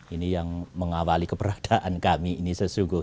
ini yang mengawali keberadaan kami ini sesungguhnya